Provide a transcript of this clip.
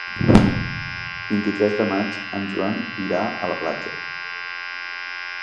El vint-i-tres de maig en Joan irà a la platja.